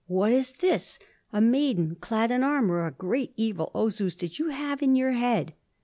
What is this? A maiden clad in armor! A great evil, O Zeus, did you have in your head!